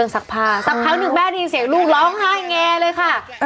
สักครั้งนึงแม่ที่ยินเสียงลูกร้องไห้แงเลยค่ะ